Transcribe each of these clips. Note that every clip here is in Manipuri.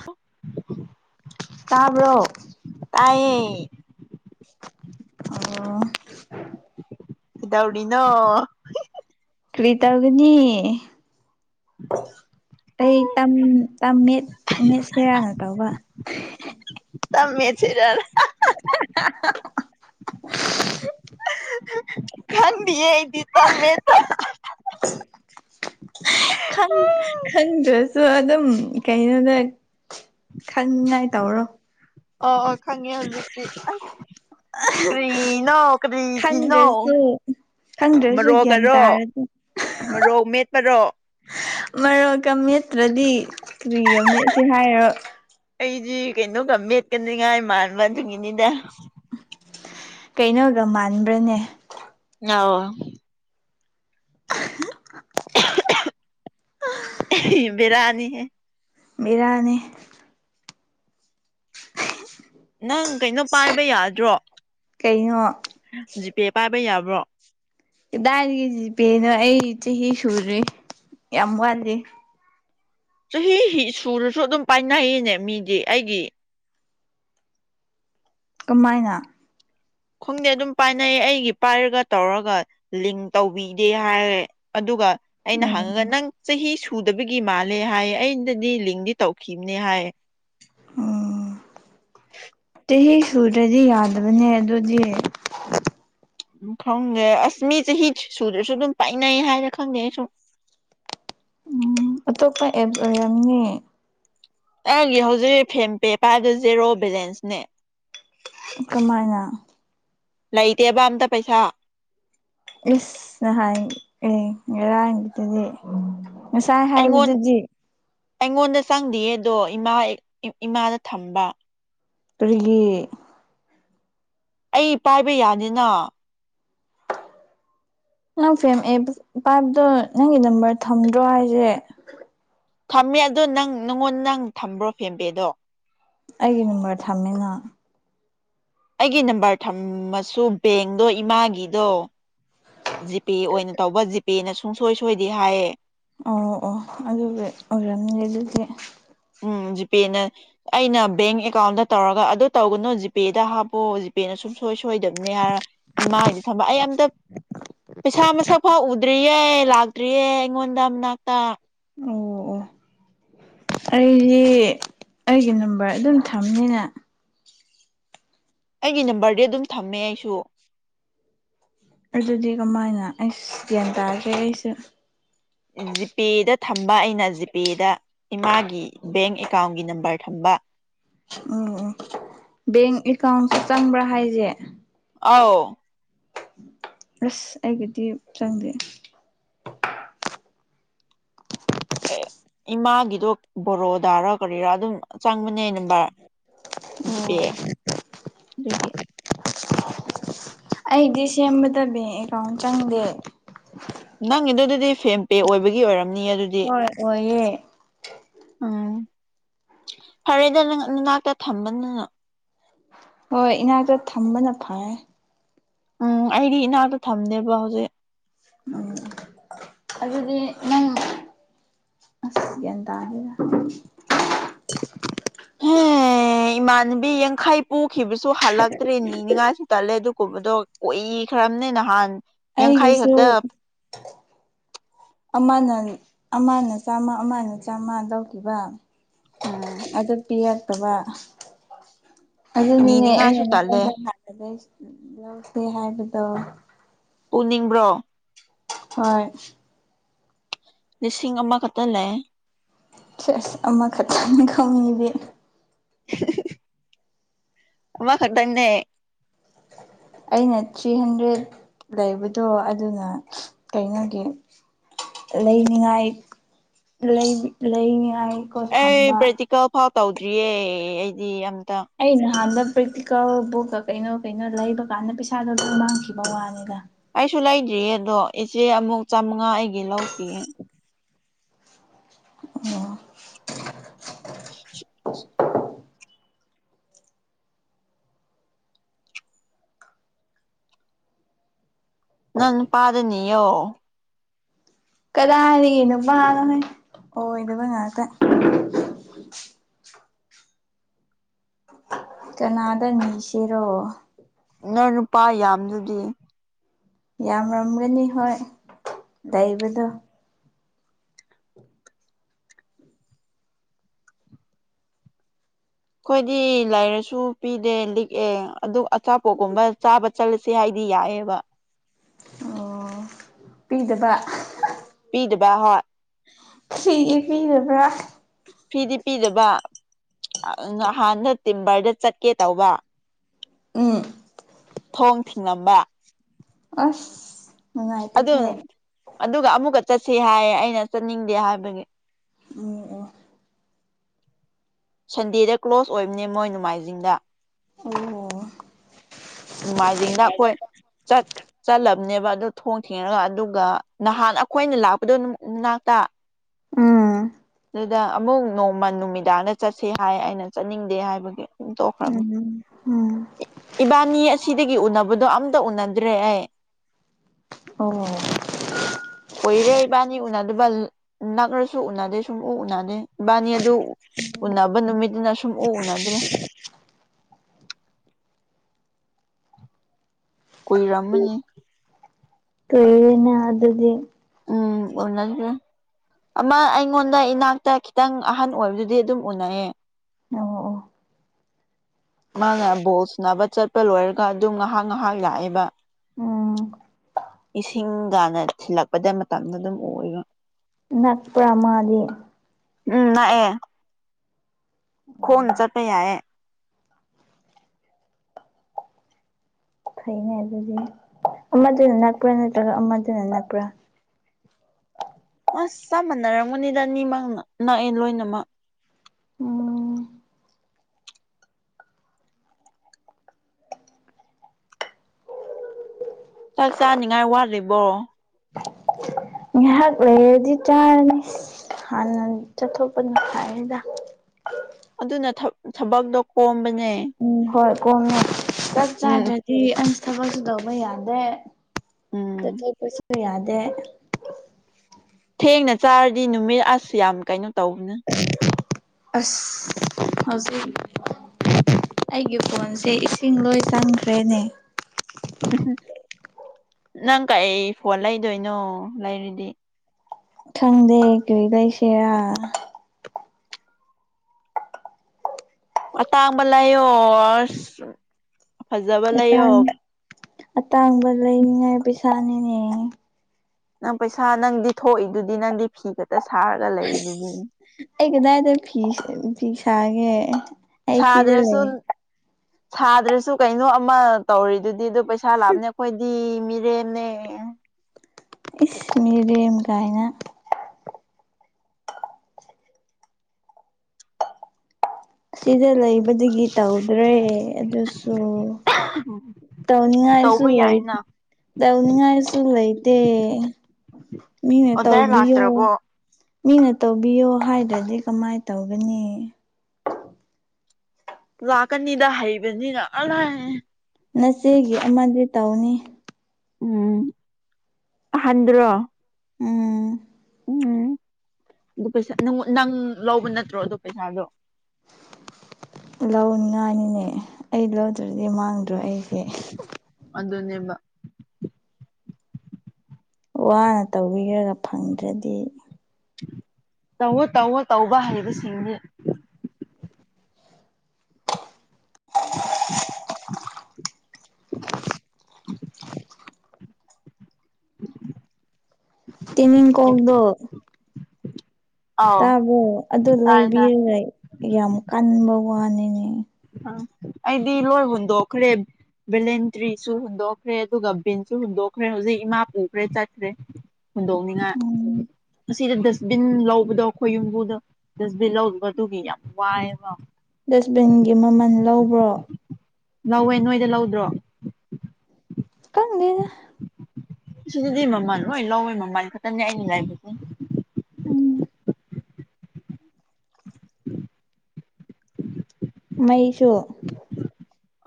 ꯍ ꯇꯥꯕ꯭ꯔꯣ ꯇꯥꯏꯌꯦ ꯑꯣ ꯏꯗꯥꯧꯅꯣ ꯀꯔꯤꯇꯒꯅꯤ ꯑꯩ ꯃꯠ ꯃꯦꯠꯁꯦꯔꯥꯅ ꯇꯧꯕ ꯁꯤꯔꯜ [inaudible] ꯈꯟꯗꯤꯗꯤꯇꯃꯦ ꯈꯟꯗ꯭ꯔꯁꯨ ꯑꯗꯨꯝ ꯀꯩꯅꯣꯗ ꯈꯪꯉꯥꯏ ꯇꯧꯔꯣ ꯑ ꯈꯪꯉꯦ ꯍꯧꯖꯤꯛꯇꯤ ꯑꯁ ꯀꯔꯤꯅꯎ ꯀꯔꯤꯅꯥꯎ ꯈꯪꯗ꯭ꯔꯁꯨ ꯈꯪꯗ꯭ꯔꯁꯨ ꯒ꯭ꯌꯥꯟ ꯇꯥꯔꯗꯤ ꯃꯔꯣꯛ ꯃꯦꯠꯄꯔꯣ ꯃꯔꯣꯛꯀ ꯅꯦꯠꯇ꯭ꯔꯗꯤ ꯀꯔꯤꯒ ꯅꯦꯠꯁꯤ ꯍꯥꯏꯔꯣ ꯑꯩꯗꯤ ꯀꯩꯅꯣꯒ ꯃꯦꯠꯀꯅꯤ꯭ꯉꯥꯏ ꯃꯥꯟꯕꯗ꯭ꯉꯤꯅꯤꯗ ꯀꯩꯅꯣꯒ ꯃꯥꯟꯕ꯭ꯔꯅꯦ ꯑ ꯦꯔꯅꯤ ꯍ ꯕꯤꯔꯅꯤ ꯅꯪ ꯀꯩꯅꯣ ꯄꯥꯏꯕ ꯌꯥꯗ꯭ꯔꯣ ꯀꯩꯅꯣ ꯄꯦ ꯄꯥꯏꯕ ꯌꯥꯕ꯭ꯔꯣ ꯀꯗꯥꯏꯔꯤꯒꯁꯤꯄꯦꯅꯣ ꯑꯩ ꯆꯍꯤ ꯁꯨꯔꯦ ꯌꯥꯝ ꯋꯥꯠꯂꯦ ꯆꯍꯤ ꯁꯨꯔꯁꯨ ꯑꯗꯨꯝ ꯄꯥꯏꯅꯩꯅꯦ ꯃꯤꯗꯤ ꯑꯩꯒꯤ ꯀꯃꯥꯏꯅ ꯈꯣꯡꯗꯦ ꯑꯗꯨꯝ ꯄꯥꯏꯅꯩ ꯑꯩꯒꯤ ꯄꯥꯏꯔꯒ ꯇꯧꯔꯒ ꯂꯤꯡ ꯇꯧꯕꯤꯗꯦ ꯍꯥꯏꯔꯦ ꯑꯗꯨꯒ ꯑꯩꯅ ꯎꯝ ꯍꯥꯡꯉꯒ ꯅꯪ ꯆꯍꯤ ꯊꯨꯗꯕꯒꯤ ꯃꯥꯜꯂꯦ ꯍꯥꯏ ꯑꯗꯗꯤ ꯂꯤꯡꯗꯤ ꯇꯧꯈꯤꯕꯅꯦ ꯍꯥꯏ ꯎꯝ ꯆꯍꯤ ꯁꯨꯔꯗꯤ ꯌꯥꯗꯕꯅꯦ ꯑꯗꯨꯗꯤ ꯎ ꯈꯪꯗꯦ ꯑꯁꯃꯤ ꯆꯍꯤ ꯁꯨꯗꯁꯨ ꯑꯗꯨꯝ ꯄꯥꯏꯅꯩ ꯍꯥꯏꯅ ꯈꯪꯗꯦ ꯑꯩ ꯁꯨꯝ ꯎꯝ ꯑꯇꯣꯞꯄ ꯑꯦꯞ ꯑꯣꯏꯔꯅꯦ ꯑꯩꯪꯒꯤ ꯍꯧꯖꯤꯛ ꯐꯣꯟ ꯄꯦ ꯄꯥꯏꯕ ꯖꯦꯔꯣ ꯕꯦꯂꯦꯟꯁꯅꯦ ꯀꯃꯥꯏꯅ ꯂꯩꯇꯦꯕ ꯑꯝꯇ ꯄꯩꯁꯥ ꯏꯁꯁ ꯅꯍꯥꯟ ꯉꯔꯥꯡꯒꯤꯗꯨꯗꯤ ꯉꯁꯥꯏ ꯑꯩꯉꯣꯟ ꯍꯥꯏꯕꯗꯨꯗꯤ ꯑꯩꯉꯣꯟꯗ ꯆꯪꯗꯌꯦꯗꯣ ꯏꯃꯥ ꯏꯃꯥꯗ ꯊꯝꯕ ꯇꯔꯤꯒꯤ ꯑꯩ ꯄꯥꯏꯕ ꯌꯥꯅꯤꯅ ꯅꯪ ꯐꯦꯝꯃꯛꯑꯦ ꯄꯥꯏꯕꯗꯣ ꯅꯪꯒꯤ ꯅꯝꯕꯔ ꯊꯝꯗ꯭ꯔꯣ ꯍꯥꯏꯁꯦ ꯊꯝꯃꯦ ꯑꯗꯣ ꯅꯪ ꯅꯪꯉꯣꯟꯗ ꯅꯪ ꯊꯝꯕ꯭ꯔꯣ ꯐꯦꯝꯕꯦꯗꯣ ꯑꯩꯒꯤ ꯅꯝꯕꯔ ꯊꯝꯃꯦꯅ ꯑꯩꯒꯤ ꯅꯝꯕꯔ ꯊꯝꯃꯁꯨ ꯕꯦꯡꯗꯣ ꯏꯃꯥꯒꯤꯗꯣ ꯖꯤꯄꯤꯦ ꯑꯣꯏꯅ ꯇꯧꯕ ꯖꯤꯄꯤꯦꯅ ꯁꯨꯡꯁꯣꯏ ꯁꯣꯏꯗꯤ ꯍꯥꯏꯌꯦ ꯑꯣ ꯑꯣ ꯑꯗꯨ ꯑꯣꯔꯗꯤꯦ ꯎ ꯖꯤꯄꯦꯅ ꯑꯩꯅ ꯕꯦꯡ ꯑꯦꯀꯥꯎꯟꯗ ꯇꯧꯔꯒ ꯑꯗꯨ ꯇꯧꯒꯅꯨ ꯖꯤꯄꯦꯗ ꯍꯥꯞꯄꯑꯣ ꯖꯤꯄꯦꯅ ꯁꯨꯝ ꯁꯨꯡ ꯁꯣꯏ ꯁꯣꯏꯗꯕꯅꯦ ꯍꯥꯏꯔ ꯏꯃꯥ ꯍꯥꯏꯗꯤ ꯊꯝꯕ ꯑꯩ ꯑꯝꯇ ꯄꯩꯁꯥ ꯃꯁꯛ ꯐ ꯎꯗ꯭ꯔꯤꯌꯦ ꯂꯥꯛꯇ꯭ꯔꯤꯌꯦ ꯑꯩꯉꯣꯟꯗ ꯃꯅꯥꯛꯇ ꯑꯣ ꯑꯣ ꯑꯩꯁ ꯑꯩꯒꯤ ꯅꯝꯕꯔ ꯑꯗꯨꯝ ꯊꯝꯅꯤꯅ ꯑꯩꯒꯤ ꯅꯝꯕꯔꯗꯤ ꯑꯗꯨꯝ ꯊꯝꯃꯦ ꯑꯩꯁꯨ ꯑꯗꯨꯗꯤ ꯀꯃꯥꯏꯅ ꯑꯩꯁꯨ ꯒ꯭ꯌꯥꯟ ꯇꯥꯒꯦ ꯑꯩꯁꯨꯦ ꯖꯤꯄꯦꯗ ꯊꯝꯕ ꯑꯩꯅ ꯖꯤꯄꯦꯗ ꯏꯃꯥꯒꯤ ꯕꯦꯡ ꯑꯦꯀꯥꯎꯟꯒꯤ ꯅꯝꯕꯔ ꯊꯝꯕ ꯎꯝ ꯕꯦꯡ ꯑꯦꯀꯥꯎꯟꯀ ꯆꯪꯕ꯭ꯔꯥ ꯍꯥꯏꯁꯦ ꯑꯥꯎ ꯑꯁ ꯑꯩꯒꯤꯗꯤ ꯆꯪꯗꯦ ꯑꯦ ꯏꯃꯥꯒꯤꯗꯣ ꯕꯣꯔꯣꯗꯥꯔꯥ ꯀꯔꯤꯔꯥ ꯑꯗꯨꯝ ꯆꯪꯕꯅꯦ ꯅꯝꯕꯔ ꯖꯤꯗꯤ ꯑꯣ ꯑꯗꯨ ꯑꯩꯗꯤ ꯁꯦꯝꯕꯗ ꯕꯦꯡ ꯑꯦꯀꯥꯎꯟ ꯆꯪꯗꯦ ꯅꯪꯒꯤꯗꯨꯗꯨꯗꯤ ꯐꯦꯝ ꯄꯦ ꯑꯣꯏꯕꯒꯤ ꯑꯣꯏꯔ ꯕꯝ ꯅꯤ ꯑꯗꯨꯗꯤ ꯍꯣꯏ ꯑꯣꯏꯌꯦ ꯎꯝ ꯐꯔꯦꯗ ꯅꯅꯥꯛꯇ ꯊꯝꯕꯅꯤꯅꯨ ꯍꯣꯏ ꯏꯅꯥꯛꯇ ꯊꯝꯕꯅ ꯐꯔꯦ ꯎꯝ ꯑꯩꯗꯤ ꯏꯅꯥꯛꯇꯣ ꯊꯝꯅꯦꯕ ꯍꯧꯖꯤꯛ ꯎꯝ ꯑꯗꯨꯗꯤ ꯅꯪ ꯑꯁ ꯀꯗꯥ ꯍꯦn ꯑꯦ ꯏꯃꯥꯟꯅꯕꯤ ꯌꯥꯡꯈꯩ ꯄꯨꯈꯤꯕꯁꯨ ꯍꯜꯂꯛꯇ꯭ꯔꯦ ꯅꯤꯉꯥꯏ ꯇꯠꯂꯦ ꯑꯗꯨꯒ ꯀꯨꯝꯕꯗꯣ ꯀꯨꯏꯈ꯭ꯔꯕꯅꯦ ꯅꯍꯥꯟ ꯌꯥꯡꯈꯩ ꯑꯩꯒꯤꯁꯨꯣ ꯈꯛꯇ ꯑꯃꯅ ꯑꯃꯅ ꯆꯥꯝꯃ ꯑꯃꯅ ꯆꯥꯝꯃ ꯂꯧꯧꯈꯤꯕ ꯎꯝ ꯑꯗꯨ ꯄꯤꯔꯛꯇꯕ ꯑꯗꯨꯅꯦ ꯅꯤꯅꯤꯡꯉꯥꯏꯁꯨ ꯇꯜꯂꯦ ꯭ꯂꯧꯁꯦ ꯍꯥꯏꯕꯗꯣ ꯎꯅꯤꯡꯕ꯭ꯔꯣ ꯍꯣꯏ ꯂꯤꯁꯤꯡ ꯑꯃꯈꯛꯇ ꯂꯩꯦ ꯆꯁ ꯑꯃꯈꯛꯇꯪ ꯈꯪ ꯏꯗ [unintelligible] ꯑꯃ ꯈꯗꯪꯅꯦ ꯑꯩꯅ ꯊ꯭ꯔꯤ ꯍꯟꯗ꯭ꯔꯦꯠ ꯂꯩꯕꯗꯣ ꯑꯗꯨꯅ ꯀꯩꯅꯣꯒꯤ ꯂꯩꯅꯤꯡꯉꯥꯏ ꯂꯩ ꯂꯩꯅꯤꯉꯥꯏ ꯑꯩ ꯄ꯭ꯔꯦꯛꯇꯤꯀꯦꯜ ꯐꯥꯎ ꯇꯧꯗ꯭ꯔꯤꯌꯦ ꯑꯩꯗꯤ ꯌꯥꯝ ꯑ ꯅꯗ ꯄ꯭ꯔꯦꯛꯇꯤꯀꯦꯜ ꯕꯨꯛꯀ ꯀꯩꯅꯣ ꯀꯩꯅꯣ ꯂꯩꯕ ꯀꯥꯟꯗ ꯄꯩꯁꯥꯗꯣ ꯑꯗꯨꯝ ꯃꯥꯡꯈꯤꯕ ꯋꯥꯅꯤꯅ ꯀꯩꯁꯨ ꯂꯩꯇ꯭ꯔꯤ ꯑꯗꯣ ꯏꯆꯦ ꯑꯃꯨꯛ ꯆꯥꯃꯉꯥ ꯑꯩꯒꯤ ꯂꯧꯈꯤꯌꯦ ꯑꯣ [unintelligible] ꯅꯥꯟ ꯄꯥꯔꯅꯤꯌꯣ ꯀꯗꯥꯏ ꯍꯥꯏꯔꯤꯒꯦ ꯅꯨꯄꯥꯅꯣ ꯍꯣꯏ ꯑꯣꯏꯗꯕ ꯉꯥꯛꯇ [unintelligible] ꯀꯅꯥꯗꯅꯤꯁꯤꯔꯣ ꯅꯪ ꯅꯨꯄꯥ ꯌꯥꯝꯗꯨꯗꯤ ꯌꯥꯝꯔꯝꯒꯅꯤ ꯍꯣꯏ ꯂꯩꯕꯗꯣ ꯑꯩꯈꯣꯏꯗꯤ ꯂꯥꯏꯔꯁꯨ ꯄꯤꯗꯦ ꯂꯤꯛꯑꯦ ꯑꯗꯨ ꯑꯆꯥꯄꯣꯠꯀꯨꯝꯕ ꯆꯥꯕ ꯆꯠꯂꯁ ꯍꯥꯏꯗꯤ ꯀ ꯌꯥꯑ ꯑꯣ ꯄꯤꯗꯕ ꯄꯤꯗꯕ ꯍꯣꯏ ꯁꯤ ꯐꯗꯕ꯭ꯔꯥ ꯐꯤꯗꯤ ꯄꯤꯗꯕ ꯅꯍꯥꯟꯅ ꯇꯤꯝꯕꯔꯗ ꯆꯠꯀꯦ ꯇꯧꯕ ꯎꯝ ꯊꯣꯡ ꯊꯤꯡꯉꯝꯕ ꯑꯁ ꯉꯅꯨꯡꯉꯥꯏꯇ ꯍꯦ ꯑꯗꯨꯒ ꯑꯃꯨꯛꯀ ꯆꯠꯁꯤ ꯍꯥꯏꯌꯦ ꯑꯩꯅ ꯆꯠꯅꯤꯡꯗꯦ ꯍꯥꯏꯕꯒꯤ ꯑꯣ ꯑꯣ ꯁꯟꯗꯦꯗ ꯀ꯭ꯂꯣꯁ ꯑꯣꯏꯕꯅꯦ ꯃꯣꯏ ꯅꯣꯡꯃꯥꯏꯖꯤꯡꯗ ꯑꯣ ꯍꯣ ꯅꯣꯡꯃꯥꯏꯖꯤꯡꯅ ꯑꯩꯈꯣꯏ ꯆꯠꯂꯕꯅꯦꯕ ꯑꯗꯨꯗꯣ ꯊꯣꯡ ꯊꯦꯡꯉꯒ ꯑꯗꯨꯒ ꯅꯍꯥꯟ ꯑꯩꯈꯣꯏꯅ ꯂꯥꯛꯄꯗꯣꯅꯥꯛꯇ ꯑ ꯑꯗꯨꯗ ꯑꯃꯨꯛ ꯅꯣꯡꯃ ꯅꯨꯃꯤꯗꯥꯡꯗ ꯆꯠꯁꯤ ꯍꯥꯏ ꯑꯩꯅ ꯆꯠꯅꯤꯡꯗꯦ ꯍꯥꯏꯕꯒꯤ ꯑꯗꯨꯝ ꯇꯣꯛꯈ꯭ꯔꯕꯅꯤ ꯎꯝ ꯎꯝ ꯃꯤ ꯑꯁꯤꯗꯒꯤ ꯎꯅꯕꯗꯣ ꯑꯝꯇ ꯎꯅꯗ꯭ꯔꯦ ꯑꯩ ꯑꯣ ꯀꯏꯔꯦ ꯏꯕꯥꯅꯤ ꯎꯅꯗꯕ ꯅꯛꯅꯁꯨ ꯎꯅꯗꯦ ꯁꯨꯝꯎ ꯎꯅꯗꯦ ꯏꯕꯥꯅꯤ ꯑꯗꯨ ꯎꯅꯕ ꯅꯨꯃꯤꯠꯇꯅ ꯁꯨꯝ ꯎ ꯎꯅꯗ꯭ꯔꯦ [unintelligible] ꯀꯣꯏ ꯔꯃꯅꯤ ꯀꯩꯅ ꯑꯗꯨꯗꯤ ꯎꯝ ꯑꯣꯟꯅ ꯗꯦ ꯑꯃ ꯑꯩꯉꯣꯟꯗ ꯏꯅꯥꯛꯇ ꯈꯤꯇꯪ ꯑꯍꯟ ꯑꯣꯏꯕꯗꯨꯗꯤ ꯑꯗꯨꯝ ꯎꯅꯩꯌꯦ ꯑ ꯑꯣ ꯃꯥꯅ ꯕꯣꯜ ꯁꯨꯅꯕ ꯆꯠꯄ ꯂꯣꯏꯔꯒ ꯑꯗꯨꯝ ꯉꯥꯍꯥꯛ ꯉꯥꯍꯥꯛ ꯂꯥꯛꯑꯦꯕ ꯎꯝ ꯏꯁꯤꯡꯒꯅ ꯊꯤꯜꯂꯛꯄꯗ ꯃꯇꯝꯗ ꯑꯗꯨꯝ ꯑꯣꯏꯕ ꯅꯄ꯭ꯔ ꯃꯥꯗꯤ ꯎꯝ ꯅꯑꯦ ꯈꯣꯟ ꯆꯄ ꯌꯥꯏꯑꯦ ꯐꯩꯅꯦ ꯑꯗꯨꯗꯤ ꯑꯃꯗꯨꯅ ꯅꯛꯄ꯭ꯔꯥ ꯅꯠꯇ꯭ꯔꯒ ꯑꯃꯗꯨꯅ ꯅꯛꯄ꯭ꯔꯥ [unintelligible] ꯑꯁ ꯆꯞ ꯃꯥꯟꯅꯔꯝꯒꯨꯅꯤꯗ ꯑꯅꯤꯃꯛꯅ ꯅꯛꯑꯦ ꯂꯣꯏꯅꯃꯛ ꯎꯝ ꯆꯥꯛ ꯆꯥꯅꯤꯉꯥꯏ ꯋꯥꯠꯂꯤꯕꯣ ꯉꯥꯏꯍꯥꯛ ꯂꯩꯔꯗꯤ ꯆꯥꯔꯅꯤ ꯍꯥꯟꯅ ꯆꯠꯊꯣꯛꯄ ꯅꯨꯡ ꯍꯥꯏꯔꯦꯗ [unintelligible] ꯑꯗꯨꯅ ꯊ ꯊꯕꯛꯇꯣ ꯀꯣꯝꯕ ꯎꯝ ꯍꯣꯏ ꯀꯣꯃꯦ ꯆꯥꯛ ꯎꯝ ꯆꯥꯗ꯭ꯔꯗꯤ ꯑꯁ ꯊꯕꯛꯁꯨ ꯇꯧꯕ ꯌꯥꯗꯦ ꯇ ꯎꯝ ꯊꯄꯁꯨ ꯌꯥꯗ ꯊꯦꯡꯅ ꯆꯥꯔꯗꯤ ꯅꯨꯃꯤꯠ ꯑꯁ ꯌꯥꯝ ꯀꯩꯅꯣ ꯇꯧꯕꯅꯦ ꯑꯁ ꯍꯧꯖꯤꯛ ꯑꯩꯒꯤ ꯐꯣꯟꯁꯦ ꯏꯁꯤꯡ ꯂꯣꯏ ꯆꯪꯈ꯭ꯔꯦꯅꯦ ꯅꯪ ꯀꯩ ꯐꯣꯟ ꯂꯩꯗꯣꯏꯅꯣ ꯂꯩꯔꯤꯗꯤ ꯈꯪꯗꯦ ꯀꯔ꯭ꯤ ꯂꯩꯁꯦꯔ ꯑꯇꯥꯡꯕ ꯂꯥꯏꯌꯣ ꯑꯁ ꯐꯖꯕ ꯂꯩꯌꯣ ꯃꯇꯥꯡ ꯑꯇꯥꯡꯕ ꯂꯩꯅꯤꯉꯥꯏ ꯄꯩꯁꯥꯅꯤꯅꯦ ꯅꯪ ꯄꯩꯁꯥ ꯅꯪꯗꯤ ꯊꯣꯛꯏꯗꯨꯗꯤ ꯅꯪꯗꯤ ꯐꯤꯒ ꯑꯩ ꯀꯗꯥꯏꯗ ꯐꯤ ꯐꯤ ꯁꯥꯒꯦ ꯑꯩ ꯁꯤꯗ ꯁꯥꯗ꯭ꯔꯁꯨ ꯂꯩ ꯁꯥꯗ꯭ꯔꯁꯨ ꯀꯩꯅꯣ ꯑꯃ ꯇꯧꯔꯤꯗꯨꯗꯤ ꯗꯨ ꯄꯩꯁꯥ ꯂꯥꯕꯅꯦ ꯀꯣꯏꯗꯤ ꯃꯤꯔꯦꯝꯅꯦ ꯏꯁ ꯃꯤꯔꯦꯝ ꯀꯥꯏꯅ ꯁꯤꯗ ꯂꯩꯕꯗꯒꯤ ꯇꯧꯗ꯭ꯔꯦ ꯑꯗꯨꯁꯨ ꯇꯧꯅꯤꯉꯥꯏꯁꯨ ꯇꯧꯕ ꯂꯩ ꯌꯥꯏꯅ ꯇꯧꯅꯤꯉꯥꯏꯁꯨ ꯂꯩꯩꯇꯦ ꯃꯤꯅ ꯑꯣꯗꯔ ꯇꯧꯕꯤꯌꯨ ꯂꯥꯛꯇ꯭ꯔꯕꯣ ꯃꯤꯅ ꯇꯧꯕꯤꯌꯣ ꯍꯥꯏꯗ꯭ꯔꯗꯤ ꯀꯃꯥꯏꯅ ꯇꯧꯒꯅꯤ ꯂꯥꯛꯀꯅꯤꯗ ꯍꯩꯕꯅꯤꯅ ꯅꯆꯦꯒꯤ ꯑꯃꯗꯤ ꯇꯧꯅꯤ ꯎꯝ ꯍꯟꯗ꯭ꯔꯣ ꯎꯝ ꯎꯝ ꯑꯗꯨ ꯄꯩꯁꯥ ꯅꯪ ꯂꯧꯕ ꯅꯠꯇ꯭ꯔꯣ ꯑꯗꯣ ꯄꯩꯁꯥꯗꯣ ꯂꯧꯅꯤꯉꯥꯏꯅꯤꯅꯦ ꯑꯩ ꯂꯧꯗ꯭ꯔꯗꯤ ꯃꯥꯡꯗ꯭ꯔꯣ ꯑꯩꯁꯦ ꯑꯗꯨꯅꯦꯕ ꯋꯥꯅ ꯇꯧꯕꯤꯒꯒ ꯐꯪꯗ꯭ꯔꯗꯤ ꯇꯧꯋꯣ ꯇꯧꯋꯣ ꯇꯧꯕ ꯍꯩꯕꯁꯤꯡꯗꯤ [unintelligible] [unintelligible] ꯇꯦꯃꯤꯡ ꯀꯣꯡꯗꯣ ꯑꯥꯎ ꯇꯥꯕꯣ ꯑꯗꯨ ꯇꯥꯏ ꯇꯥꯏ ꯂꯩꯕꯤꯔꯦ ꯌꯥꯝ ꯀꯟꯕ ꯋꯥꯅꯤꯅꯦ ꯑꯩꯗꯤ ꯂꯣꯏ ꯍꯨꯟꯗꯣꯛꯈ꯭ꯔꯦ ꯚꯤꯂꯦꯟꯇ꯭ꯔꯤꯁꯨ ꯍꯨꯟꯗꯣꯛꯈ꯭ꯔꯦ ꯑꯗꯨꯒ ꯕꯤꯟꯁꯨ ꯍꯨꯟꯗꯣꯛꯈ꯭ꯔꯦ ꯍꯧꯖꯤꯛ ꯏꯃꯥ ꯄꯨꯈ꯭ꯔꯦ ꯆꯠꯈ꯭ꯔꯦ ꯍꯨꯟꯗꯣꯛꯅꯤꯡꯉꯥꯏ ꯎꯝ ꯁꯤꯗ ꯗꯁꯕꯤꯟ ꯂꯧꯕꯗꯣ ꯑꯩꯈꯣꯏ ꯌꯨꯝꯕꯨꯗ ꯗꯁꯕꯤꯟ ꯂꯧꯗꯕꯗꯨꯒꯤ ꯌꯥꯝ ꯋꯥꯏꯑꯦꯕ ꯗꯁꯕꯤꯟꯒꯤ ꯃꯃꯜ ꯂꯧꯕ꯭ꯔꯣ ꯂꯧꯋꯦ ꯅꯣꯏꯗ ꯂꯧꯗ꯭ꯔꯣ ꯀꯪꯅꯤꯅ ꯁꯤꯗꯗꯤ ꯃꯃꯜꯣ ꯍꯣꯏ ꯂꯧꯋꯦ ꯃꯃꯜꯅꯤ ꯈꯛꯇꯅꯦ ꯑꯩꯅ ꯂꯥꯏꯕꯁꯦ ꯎꯝ [unintelligible] ꯃꯩꯁꯨꯣ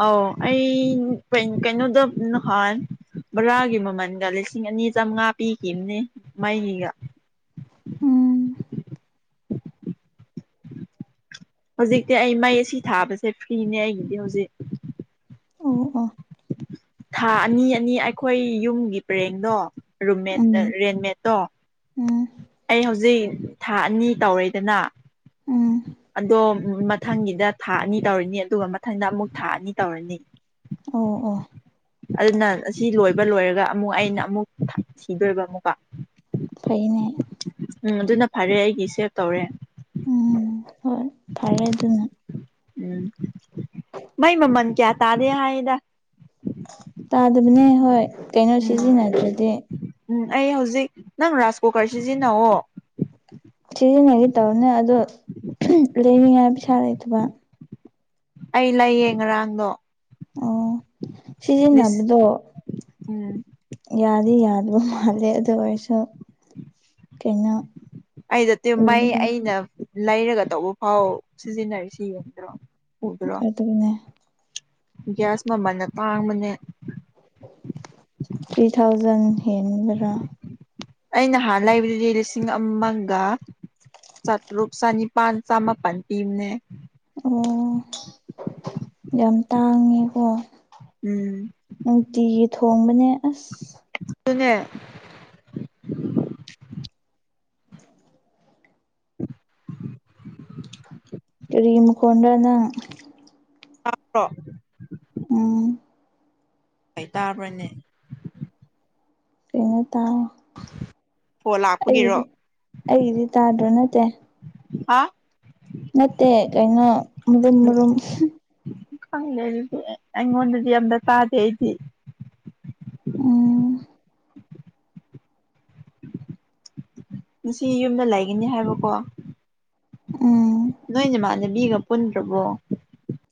ꯑꯥꯎ ꯑꯩ ꯀꯩꯅꯣꯗ ꯅꯍꯥꯟ ꯕꯣꯔꯥꯒꯤ ꯃꯃꯜꯒ ꯂꯤꯁꯤꯡ ꯑꯅꯤ ꯆꯥꯝꯃꯉꯥ ꯄꯤꯈꯤꯕꯅꯤ ꯃꯩꯒꯤꯒ ꯎꯝ ꯍꯧꯖꯤꯛꯇꯤ ꯑꯩ ꯃꯩ ꯑꯁꯤ ꯊꯥꯕꯁꯦ ꯐ꯭ꯔꯤꯅꯦ ꯑꯩꯒꯤꯗꯤ ꯍꯧꯖꯤꯛ ꯑꯣ ꯑꯣ ꯊꯥ ꯑꯅꯤ ꯑꯅꯤ ꯑꯩꯈꯣꯏ ꯌꯨꯝꯒꯤ ꯄꯔꯦꯡꯅꯣ ꯔꯨꯝꯃꯦꯠ ꯎꯝ ꯔꯦꯟꯃꯦꯠ ꯇꯣ ꯎꯝ ꯑꯩ ꯍꯧꯖꯤꯛ ꯊꯥ ꯑꯅꯤ ꯇꯧꯔꯦꯗꯅ ꯎꯝ ꯑꯗꯣ ꯃꯊꯪꯒꯤꯗ ꯊꯥ ꯑꯅꯤ ꯇꯧꯔꯅꯤ ꯑꯗꯨꯒ ꯃꯊꯪꯗ ꯑꯃꯨꯛ ꯊꯥ ꯑꯅꯤ ꯇꯧꯔꯅꯤ ꯑꯣ ꯑꯣ ꯑꯗꯨꯅ ꯁꯤ ꯂꯣꯏꯕ ꯂꯣꯏꯔꯒ ꯑꯃꯨꯛ ꯑꯩꯅ ꯑꯃꯨꯛ ꯊꯤꯗꯣꯏꯕ ꯑꯃꯨꯛꯀ ꯐꯩꯅꯦ ꯎꯝ ꯑꯗꯨꯅ ꯐꯔꯦ ꯑꯩꯒꯤ ꯁꯦꯞ ꯇꯧꯔꯦ ꯎꯝ ꯍꯣꯏ ꯄꯔꯦ ꯑꯗꯨ ꯑꯗꯨꯅ ꯎꯝ ꯏ ꯃꯃꯟ ꯀꯌꯥ ꯇꯥꯗꯦ ꯍꯥꯏꯗ ꯑꯗꯨꯅꯦ ꯍꯣꯏ ꯀꯩꯅꯣ ꯎꯝ ꯁꯤꯖꯤꯟꯅꯗ꯭ꯔꯗꯤ ꯎꯝ ꯑꯩ ꯍꯧꯖꯤꯛ ꯅꯪ ꯔꯥꯏꯁ ꯀꯨꯀꯔ ꯁꯤꯖꯤꯟꯅꯑꯣ ꯁꯤꯖꯤꯟꯅꯈꯤꯦ ꯇꯧꯅꯦ ꯑꯗꯣ ꯂꯩꯅꯤꯡꯉꯥꯏ ꯄꯩꯁꯥ ꯂꯩꯇꯕ ꯑꯩ ꯂꯩꯌꯦ ꯉꯔꯥꯡꯗꯣ ꯑꯣ ꯂꯤꯁ ꯁꯤꯖꯤꯟꯅꯕꯗꯣ ꯎꯝ ꯌꯥꯗꯤ ꯌꯥꯗꯕ ꯃꯥꯜꯂꯦ ꯑꯗꯨ ꯑꯣꯏꯔꯁꯨ ꯀꯩꯅꯣ ꯑꯩꯗꯠꯇꯦ ꯃꯩ ꯎꯕꯗ ꯑꯩꯅ ꯂꯩꯔꯒ ꯇꯧꯕ ꯐꯥꯎ ꯁꯤꯖꯤꯟꯅꯔꯤꯁꯤ ꯌꯦꯡꯗ꯭ꯔꯣ ꯎꯗ꯭ꯔꯣ ꯑꯗꯨꯗꯟꯅ ꯒ꯭ꯌꯥꯁ ꯃꯃꯜꯅ ꯇꯥꯡꯕꯅꯦ ꯊ꯭ꯔꯤ ꯊꯥꯎꯖꯟ ꯍꯗ꯭ꯔꯥ ꯑꯩꯅꯍꯥꯟꯅ ꯂꯩꯕꯗꯤ ꯂꯤꯁꯤꯡ ꯑꯃꯒ ꯆꯥꯇ꯭ꯔꯨꯛ ꯆꯅꯤꯄꯥꯟ ꯆꯃꯥꯄꯜ ꯇꯤꯝꯅꯦ ꯑꯣ ꯌꯥꯝ ꯇꯥꯡꯉꯦꯀꯣ ꯎꯝ ꯅꯨꯡꯇꯤ ꯊꯣꯡꯕꯅꯦ ꯑꯁ ꯁꯨꯅ [inaudible] ꯀꯔꯤꯔꯤꯃꯀꯣꯗꯅ ꯍꯥ꯭ꯔꯣ ꯎꯝ ꯍꯥꯏ ꯇꯥꯕ꯭ꯔꯅꯦ ꯐꯩꯅ ꯇ ꯐꯣꯟ ꯂꯥꯛꯄꯒꯤꯔꯣ ꯑꯩꯒꯤꯗꯤ ꯑꯩꯒꯤꯗꯤ ꯇꯥꯗ꯭ꯔꯣ ꯅꯠꯇꯦ ꯍꯥ ꯅꯠꯇꯦ ꯀꯩꯅꯩꯅꯣ ꯃꯨꯟ ꯃꯔꯨꯝ ꯈꯪꯗꯦ ꯑꯗꯨꯗꯤ ꯑꯩꯉꯣꯟꯗꯗꯤ ꯌꯥꯝꯗ ꯇꯥꯗꯦ ꯑꯩꯗꯤ ꯎꯝ ꯉꯁꯤ ꯌꯨꯝꯗ ꯂꯩꯒꯅꯤ ꯍꯥꯏꯕꯀꯣ ꯎꯝ ꯅꯣꯏ ꯏꯃꯥꯟꯅꯕꯤꯒ ꯄꯨꯟꯗ꯭ꯔꯕꯣ